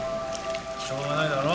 しょうがないだろ。